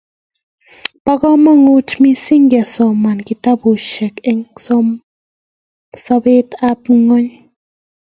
Bo kamanut mising kesoman kitabushek eng sobet ab ngono